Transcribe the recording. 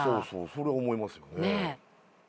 それ思いますよね。